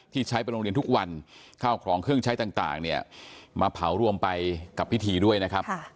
ใช้เป็นโรงเรียนทุกวันข้าวของเครื่องใช้ต่างเนี่ยมาเผารวมไปกับพิธีด้วยนะครับ